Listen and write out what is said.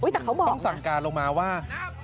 ต้องสั่งการลงมาว่า